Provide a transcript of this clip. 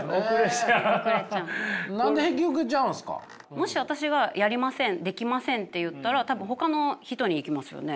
もし私が「やりませんできません」って言ったら多分ほかの人に行きますよね。